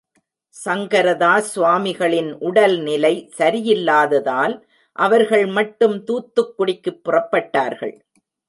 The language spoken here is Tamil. சங்கரதாஸ் சுவாமிகளின் உடல்நிலை சரியில்லாததால் அவர்கள் மட்டும் தூத்துக்குடிக்குப் புறப்பட்டார்கள்.